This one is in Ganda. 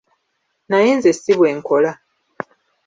Naye nze si bwe nkola.